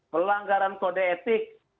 pelanggaran kode etik